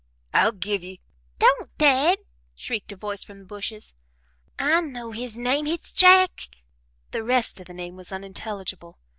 "I'll give ye " "Don't, Dad!" shrieked a voice from the bushes. "I know his name, hit's Jack " the rest of the name was unintelligible.